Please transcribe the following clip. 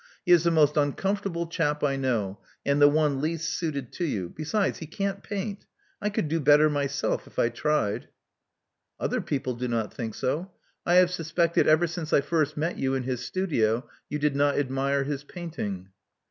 He is the most uncomfortable chap I know, and the one least suited to you. Besides, he can't paint. I could do better myself, if I tried." '* Other people do not think so. I have suspected Love Among the Artists 195 ever since I first met you in his studio you did not admire his painting."